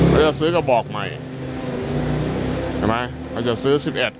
เขาจะซื้อก็บอกใหม่ใช่ไหมเขาจะซื้อ๑๑